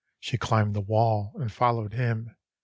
She climbed the wall, and followed him.